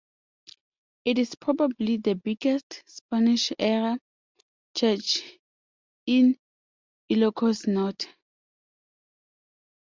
It is probably the biggest Spanish-era church in Ilocos Norte.